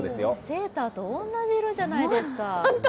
セーターと同じ色じゃないですか。